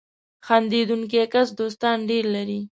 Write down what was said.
• خندېدونکی کس دوستان ډېر لري.